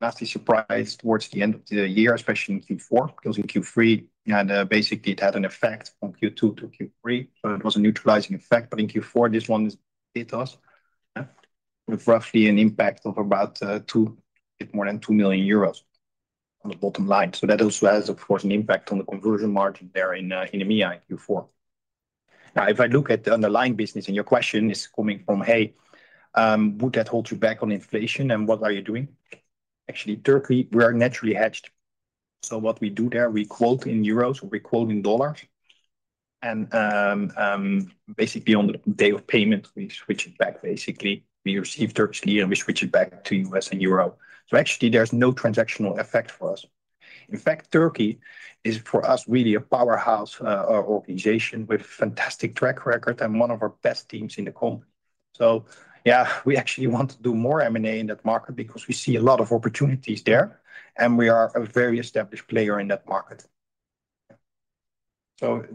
nasty surprise towards the end of the year, especially in Q4 because in Q3, yeah, basically, it had an effect from Q2 to Q3. So it was a neutralizing effect. But in Q4, this one hit us with roughly an impact of about a bit more than 2 million euros on the bottom line. So that also has, of course, an impact on the conversion margin there in EMEA in Q4. Now, if I look at the underlying business and your question is coming from, hey, would that hold you back on inflation, and what are you doing? Actually, Turkey, we are naturally hedged. So what we do there, we quote in euros or we quote in dollars. And basically, on the day of payment, we switch it back. Basically, we receive Turkish lira, and we switch it back to U.S. and euro. So actually, there's no transactional effect for us. In fact, Turkey is for us really a powerhouse organization with a fantastic track record and one of our best teams in the company. So yeah, we actually want to do more M&A in that market because we see a lot of opportunities there, and we are a very established player in that market. Yeah, so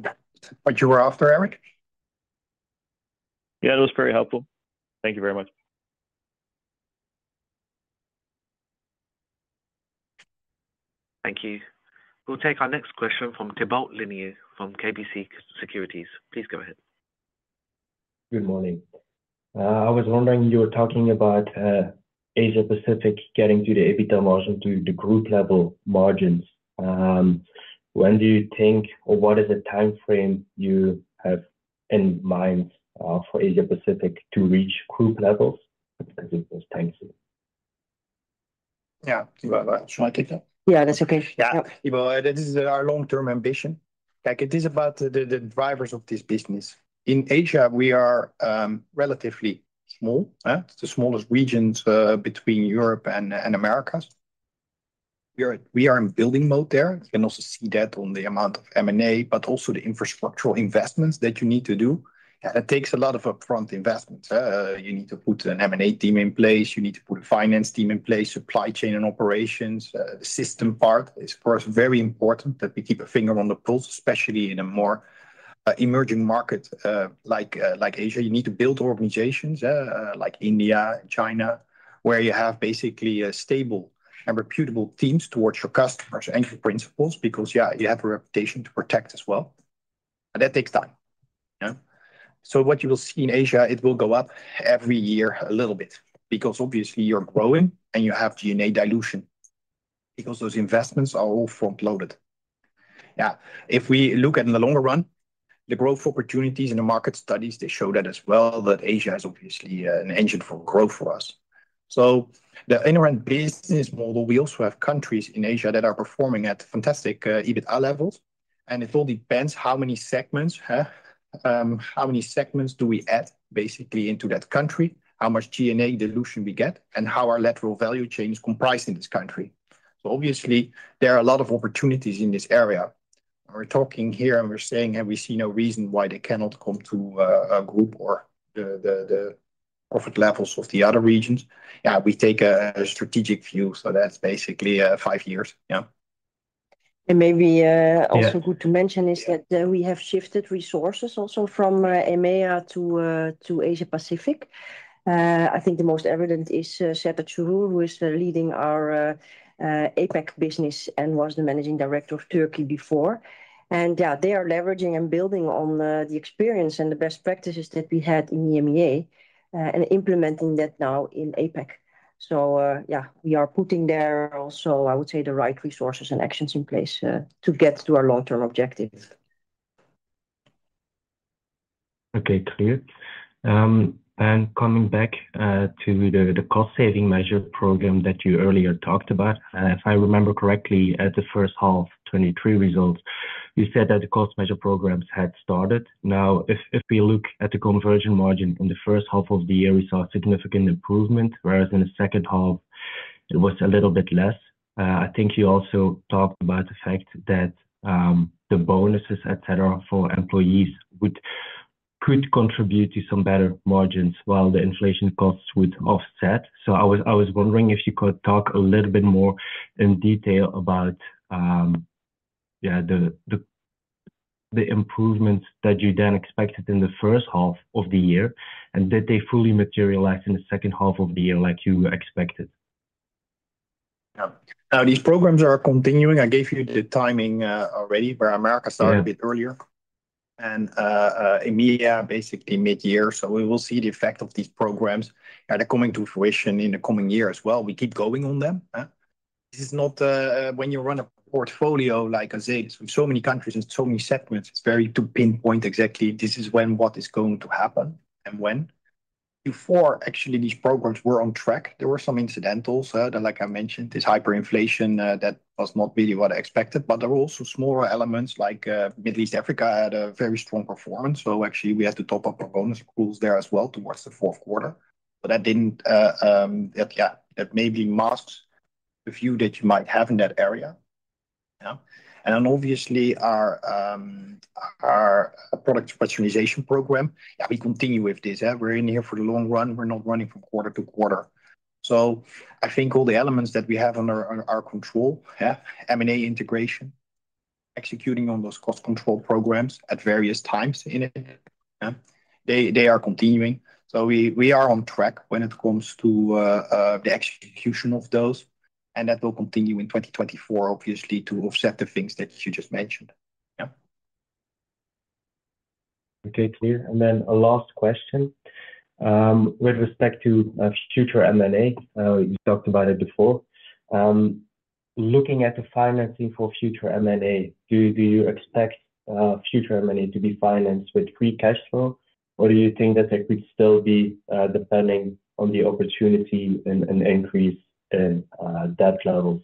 what you were after, Eric? Yeah, that was very helpful. Thank you very much. Thank you. We'll take our next question from Thibault Leneeuw from KBC Securities. Please go ahead. Good morning. I was wondering, you were talking about Asia Pacific getting to the EBITDA margin to the group-level margins. When do you think or what is the time frame you have in mind for Asia Pacific to reach group levels? Because it was tanking. Yeah, Thibault, should I take that? Yeah, that's okay. Yeah, Thibault, this is our long-term ambition. It is about the drivers of this business. In Asia, we are relatively small. It's the smallest region between Europe and America. We are in building mode there. You can also see that on the amount of M&A, but also the infrastructural investments that you need to do. Yeah, that takes a lot of upfront investments. You need to put an M&A team in place. You need to put a finance team in place, supply chain and operations. The system part is, of course, very important that we keep a finger on the pulse, especially in a more emerging market like Asia. You need to build organizations like India and China where you have basically stable and reputable teams towards your customers and your principals because, yeah, you have a reputation to protect as well. That takes time. Yeah, so what you will see in Asia, it will go up every year a little bit because obviously, you're growing and you have EBITDA dilution because those investments are all front-loaded. Yeah, if we look at the longer run, the growth opportunities in the market studies, they show that as well, that Asia is obviously an engine for growth for us. So the inherent business model, we also have countries in Asia that are performing at fantastic EBITDA levels. And it all depends how many segments, how many segments do we add, basically, into that country, how much EBITDA dilution we get, and how our lateral value chain is comprised in this country. So obviously, there are a lot of opportunities in this area. We're talking here, and we're saying, "Hey, we see no reason why they cannot come to a group or the profit levels of the other regions." Yeah, we take a strategic view. So that's basically five years. Yeah. Maybe also good to mention is that we have shifted resources also from EMEA to Asia-Pacific. I think the most evident is Sertaç Sürür, who is leading our APAC business and was the managing director of Turkey before. Yeah, they are leveraging and building on the experience and the best practices that we had in the EMEA and implementing that now in APAC. Yeah, we are putting there also, I would say, the right resources and actions in place to get to our long-term objectives. Okay, Thijs. Coming back to the cost-saving measure program that you earlier talked about, if I remember correctly, at the first half, 2023 results, you said that the cost measure programs had started. Now, if we look at the conversion margin in the first half of the year, we saw a significant improvement, whereas in the second half, it was a little bit less. I think you also talked about the fact that the bonuses, etc., for employees could contribute to some better margins while the inflation costs would offset. I was wondering if you could talk a little bit more in detail about, yeah, the improvements that you then expected in the first half of the year and did they fully materialize in the second half of the year like you expected? Yeah, now these programs are continuing. I gave you the timing already where America started a bit earlier and EMEA, basically, mid-year. So we will see the effect of these programs. Yeah, they're coming to fruition in the coming year as well. We keep going on them. This is not when you run a portfolio like AZ with so many countries and so many segments, it's very to pinpoint exactly this is when what is going to happen and when. Before, actually, these programs were on track. There were some incidentals, like I mentioned, this hyperinflation that was not really what I expected, but there were also smaller elements like Middle East Africa had a very strong performance. So actually, we had to top up our bonus rules there as well towards the fourth quarter. But yeah, that maybe masks the view that you might have in that area. Yeah, and then obviously our product specialization program. Yeah, we continue with this. We're in here for the long run. We're not running from quarter to quarter. So I think all the elements that we have under our control, yeah, M&A integration, executing on those cost control programs at various times in it, yeah, they are continuing. So we are on track when it comes to the execution of those, and that will continue in 2024, obviously, to offset the things that you just mentioned. Yeah. Okay, Thijs. And then a last question with respect to future M&A. You talked about it before. Looking at the financing for future M&A, do you expect future M&A to be financed with free cash flow, or do you think that it could still be depending on the opportunity and increase in debt levels?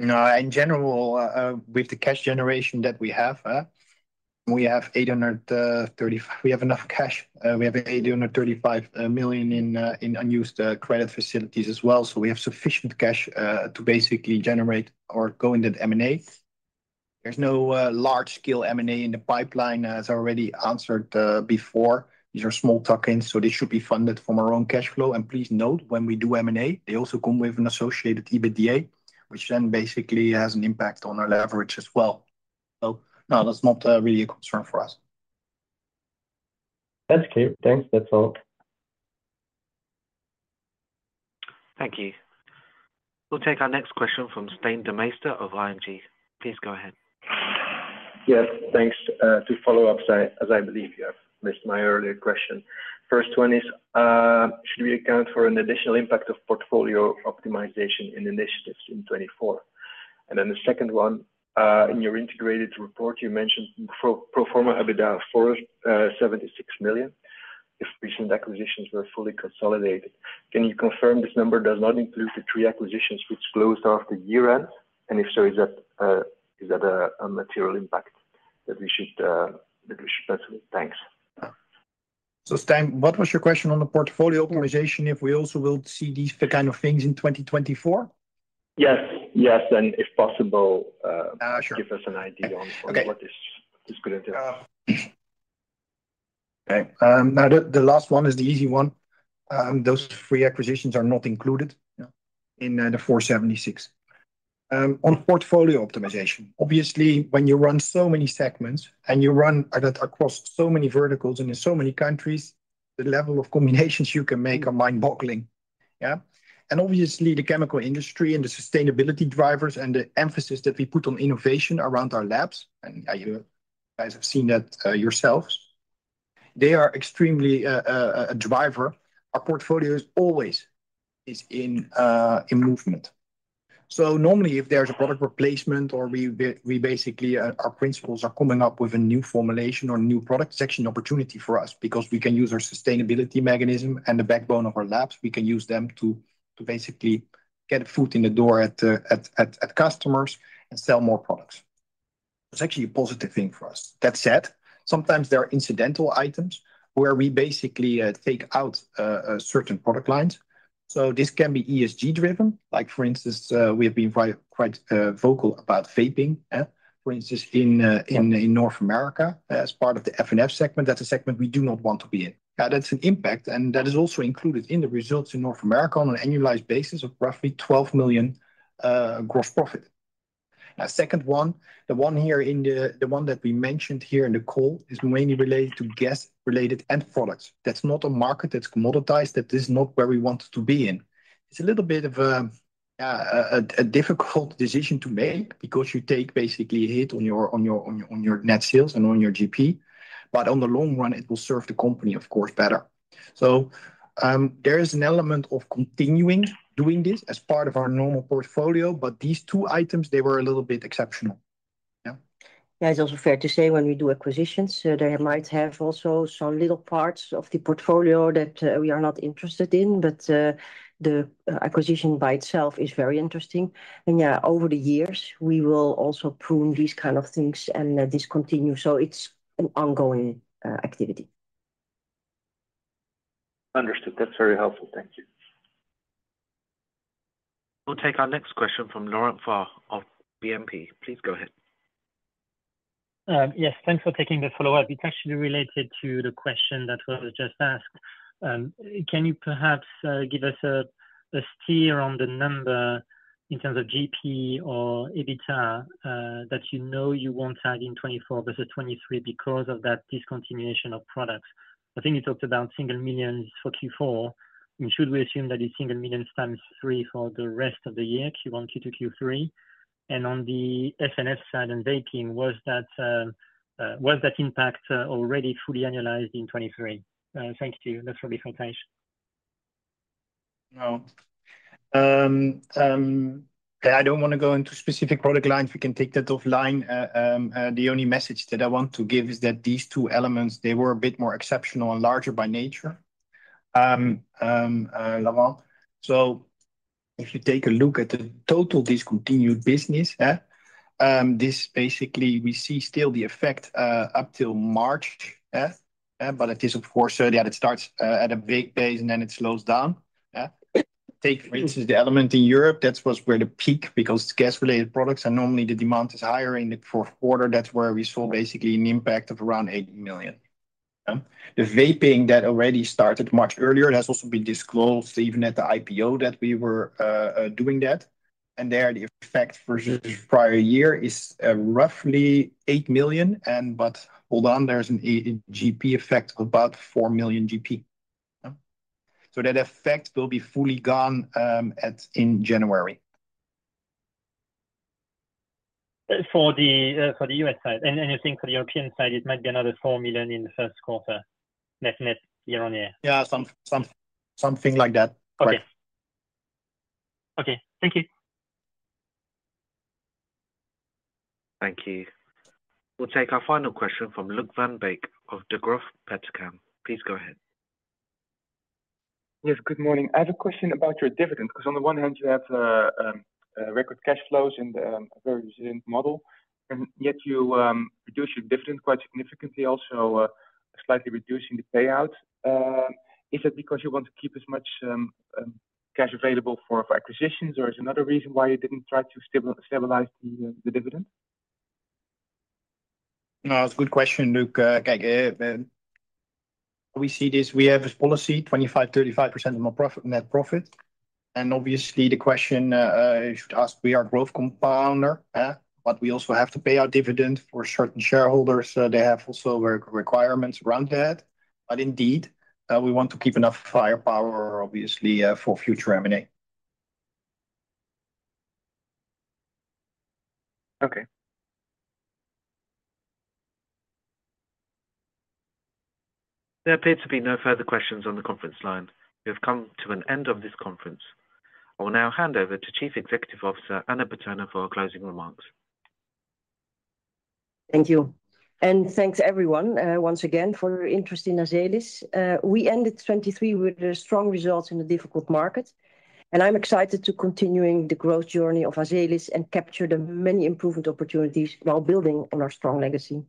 No, in general, with the cash generation that we have, we have 835 million. We have enough cash. We have 835 million in unused credit facilities as well. So we have sufficient cash to basically generate or go into the M&A. There's no large-scale M&A in the pipeline, as I already answered before. These are small tuck-ins, so they should be funded from our own cash flow. And please note, when we do M&A, they also come with an associated EBITDA, which then basically has an impact on our leverage as well. So no, that's not really a concern for us. That's clear. Thanks. That's all. Thank you. We'll take our next question from Stijn Demeester of ING. Please go ahead. Yes, thanks. To follow up, as I believe you have missed my earlier question. First one is, should we account for an additional impact of portfolio optimization initiatives in 2024? And then the second one, in your integrated report, you mentioned pro forma EBITDA of 476 million if recent acquisitions were fully consolidated. Can you confirm this number does not include the three acquisitions which closed off the year-end? And if so, is that a material impact that we should mention? Thanks. So Stijn, what was your question on the portfolio optimization if we also will see these kind of things in 2024? Yes, yes. If possible, give us an idea on what this could entail. Okay. Now, the last one is the easy one. Those three acquisitions are not included in the 476. On portfolio optimization, obviously, when you run so many segments and you run across so many verticals and in so many countries, the level of combinations you can make are mind-boggling. Yeah, and obviously, the chemical industry and the sustainability drivers and the emphasis that we put on innovation around our labs - and you guys have seen that yourselves - they are extremely a driver. Our portfolio always is in movement. So normally, if there's a product replacement or we basically our principals are coming up with a new formulation or new product section opportunity for us because we can use our sustainability mechanism and the backbone of our labs, we can use them to basically get foot in the door at customers and sell more products. It's actually a positive thing for us. That said, sometimes there are incidental items where we basically take out certain product lines. So this can be ESG-driven. For instance, we have been quite vocal about vaping, for instance, in North America as part of the F&F segment. That's a segment we do not want to be in. Yeah, that's an impact. And that is also included in the results in North America on an annualized basis of roughly 12 million gross profit. Now, second one, the one here in the one that we mentioned here in the call is mainly related to gas-related end products. That's not a market that's commoditized. That is not where we want to be in. It's a little bit of a difficult decision to make because you take basically a hit on your net sales and on your GP. But on the long run, it will serve the company, of course, better. So there is an element of continuing doing this as part of our normal portfolio. But these two items, they were a little bit exceptional. Yeah. Yeah, it's also fair to say when we do acquisitions, there might have also some little parts of the portfolio that we are not interested in, but the acquisition by itself is very interesting. Yeah, over the years, we will also prune these kind of things and discontinue. It's an ongoing activity. Understood. That's very helpful. Thank you. We'll take our next question from Laurent Favre of BNP. Please go ahead. Yes, thanks for taking the follow-up. It's actually related to the question that was just asked. Can you perhaps give us a steer on the number in terms of GP or EBITDA that you know you won't have in 2024 versus 2023 because of that discontinuation of products? I think you talked about EUR single millions for Q4. Should we assume that it's in the millions times three for the rest of the year, Q1, Q2, Q3? And on the F&F side and vaping, was that impact already fully annualized in 2023? Thank you. That's really for Thijs. No. I don't want to go into specific product lines. We can take that offline. The only message that I want to give is that these two elements, they were a bit more exceptional and larger by nature. Laurent, so if you take a look at the total discontinued business, basically, we see still the effect up till March. But it is, of course, yeah, it starts at a big base and then it slows down. Take, for instance, the element in Europe. That was where the peak because it's gas-related products. And normally, the demand is higher in the fourth quarter. That's where we saw basically an impact of around 8 million. The vaping that already started much earlier has also been disclosed even at the IPO that we were doing that. And there, the effect versus prior year is roughly 8 million. But hold on, there's an FX effect of about 4 million. So that effect will be fully gone in January. For the U.S. side, and you think for the European side, it might be another 4 million in the first quarter, net-net year-on-year? Yeah, something like that. Correct. Okay. Okay. Thank you. Thank you. We'll take our final question from Luuk van Beek of Degroof Petercam. Please go ahead. Yes, good morning. I have a question about your dividend because on the one hand, you have record cash flows and a very resilient model, and yet you reduce your dividend quite significantly, also slightly reducing the payout. Is that because you want to keep as much cash available for acquisitions, or is another reason why you didn't try to stabilize the dividend? No, that's a good question, Luuk. We see this. We have a policy, 25%-35% of net profit. And obviously, the question you should ask, we are a growth compounder, but we also have to pay our dividend for certain shareholders. They have also requirements around that. But indeed, we want to keep enough firepower, obviously, for future M&A. Okay. There appears to be no further questions on the conference line. We have come to an end of this conference. I will now hand over to Chief Executive Officer Anna Bertona for her closing remarks. Thank you. Thanks, everyone, once again, for your interest in Azelis. We ended 2023 with strong results in a difficult market, and I'm excited to continue the growth journey of Azelis and capture the many improvement opportunities while building on our strong legacy.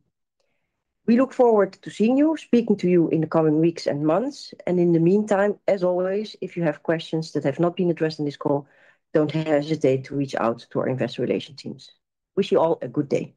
We look forward to seeing you, speaking to you in the coming weeks and months. In the meantime, as always, if you have questions that have not been addressed in this call, don't hesitate to reach out to our investor relations teams. Wish you all a good day.